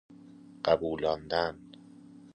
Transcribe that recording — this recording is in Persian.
قبولاندن